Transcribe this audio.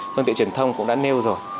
thông tin truyền thông cũng đã nêu rồi